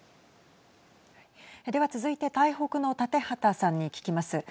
では、続いて台北の建畠さんに聞きます。